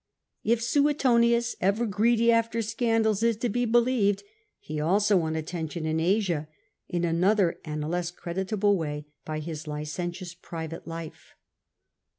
If Suetonius, ever greedy after scandals, is to be believed, he also won attention in Asia, in another and a less creditable way, by his licentious private life.